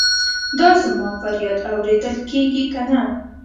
دا زما فریاد اورېدل کیږي کنه؟